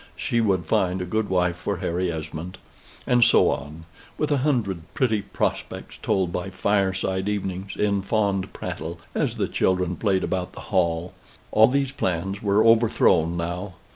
she would find a good wife for Harry Esmond: and so on, with a hundred pretty prospects told by fireside evenings, in fond prattle, as the children played about the hall. All these plans were overthrown now.